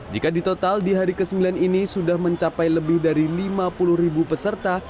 jika ditotal di hari ke sembilan ini sudah mencapai lebih dari lima puluh ribu peserta